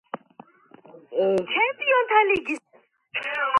მათ ასამბლეაზე ირჩევენ ოთხი წლის ვადით.